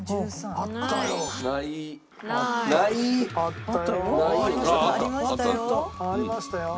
ありましたよ。